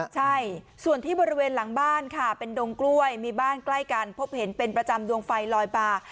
ใช่ส่วนที่บริเวณหลังบ้านค่ะเป็นดงกล้วยมีบ้านใกล้กันพบเห็นเป็นประจำดวงไฟลอยป่า